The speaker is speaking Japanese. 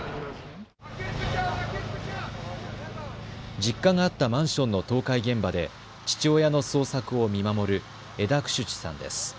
実家があったマンションの倒壊現場で父親の捜索を見守るエダ・クシュチュさんです。